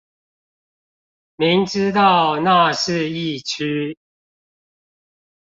明知道那是疫區